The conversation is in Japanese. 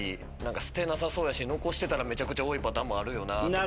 捨てなさそうやし残してたらめちゃくちゃ多いパターンもあるよなとか。